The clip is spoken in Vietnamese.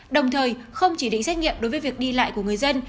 đồng thời không chỉ định xét nghiệm đối với việc đi lại của người dân